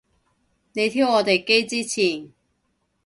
你挑我哋機之前